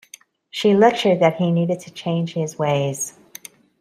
She lectured that he needed to change his ways.